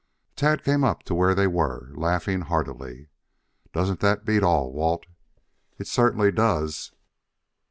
Tad came up to where they were, laughing heartily. "Doesn't that beat all, Walt?" "It certainly does."